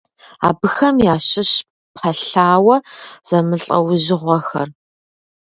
Абыхэм ящыщщ пэлъауэ зэмылӀэужьыгъуэхэр.